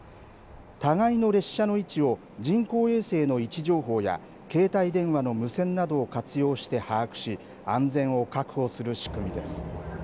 互いの列車の位置を人工衛星の位置情報や携帯電話の無線などを活用して把握し安全を確保する仕組みです。